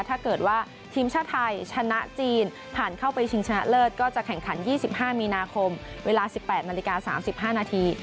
ถ้าเกิดว่าทีมชาติไทยชนะจีนผ่านเข้าไปชิงชนะเลิศก็จะแข่งขัน๒๕มีนาคมเวลา๑๘นาฬิกา๓๕นาที